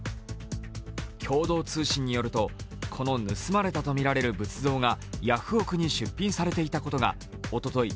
共同通信によるとこの盗まれたとみられる仏像がヤフオク！に出品されていたことがおととい